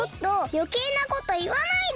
よけいなこといわないで！